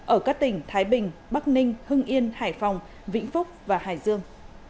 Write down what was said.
ở các tỉnh thái bình bắc ninh hưng yên hải phòng vĩnh phúc và hải dương